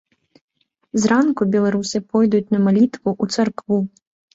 Зранку беларусы пойдуць на малітву ў царкву.